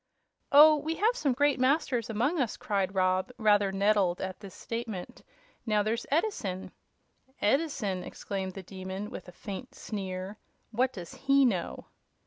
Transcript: "Oh, we have some great masters among us!" cried Rob, rather nettled at this statement. "Now, there's Edison " "Edison!" exclaimed the Demon, with a faint sneer; "what does he know?"